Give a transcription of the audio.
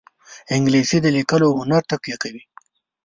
انګلیسي د لیکلو هنر تقویه کوي